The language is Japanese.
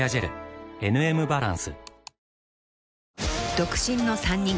［独身の３人。